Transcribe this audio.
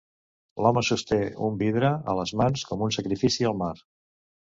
L'home sosté un vidre a les mans com un sacrifici al mar.